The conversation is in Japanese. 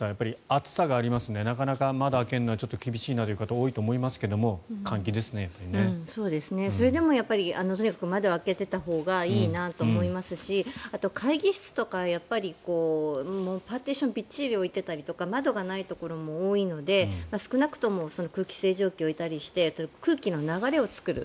暑さがありますのでまだまだ窓を開けるのはちょっと厳しいなという方多いと思いますがそれでもやっぱり窓を開けておいたほうがいいなと思いますしあと、会議室とかパーティションをびっちり置いていたりとか窓がないところも多いので少なくとも空気清浄機を置いたりして空気の流れを作る。